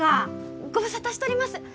ご無沙汰しとります。